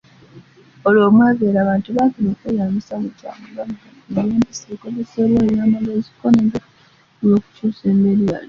Olw’omweveero abantu baakira okweyambisa buli kyabugagga, ebyempisa, ebikozesebwa, ebyamagezi ko n’ebyobwefumiitiriza olw’okukyusa embeera eyaliwo.